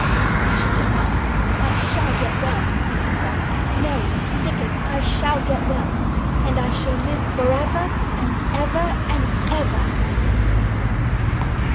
"I shall get well! I shall get well!" he cried out. "Mary! Dickon! I shall get well! And I shall live forever and ever and ever!"